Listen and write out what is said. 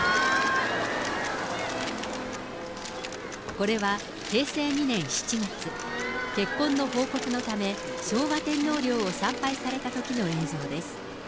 これは平成２年７月、結婚の報告のため、昭和天皇陵を参拝されたときの映像です。